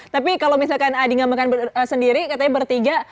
tapi kalau misalkan adi nggak makan sendiri katanya bertiga